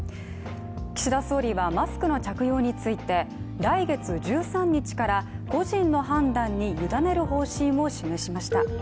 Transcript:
岸田総理はマスクの着用について来月１３日から個人の判断に委ねる方針を示しました。